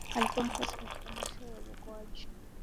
alipewa nafasi katika mashua ya uokoaji